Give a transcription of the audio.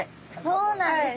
そうなんですね。